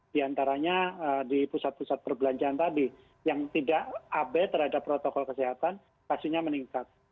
di antaranya di pusat pusat perbelanjaan tadi yang tidak abe terhadap protokol kesehatan pastinya meningkat